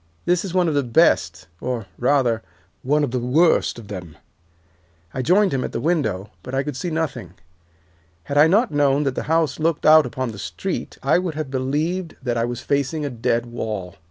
This is one of the best, or, rather, one of the worst, of them.' I joined him at the window, but I could see nothing. Had I not known that the house looked out upon the street I would have believed that I was facing a dead wall.